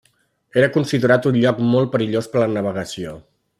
Era considerat un lloc molt perillós per la navegació.